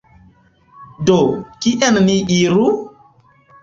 Do, kien ni iru?